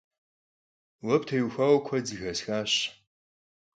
Vue ptêuxaue kued zexesxaş.